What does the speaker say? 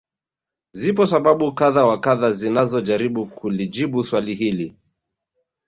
Zipo sababu kadha wa kadha zinazojaribu kulijibu swali hili